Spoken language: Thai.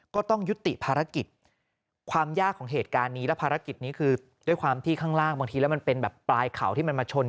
ก็ต้องยุติภารกิจ